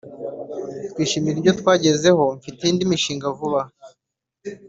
twishimira ibyo twagezeho […] Mfite indi mishinga nzasohora vuba